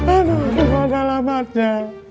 aduh gimana alamatnya